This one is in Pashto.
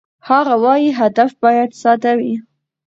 هغه وايي، هدف باید ساده وي.